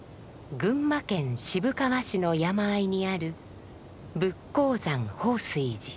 群馬県渋川市の山あいにある佛光山法水寺。